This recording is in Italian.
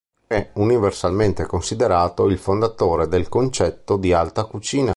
È universalmente considerato il fondatore del concetto di alta cucina.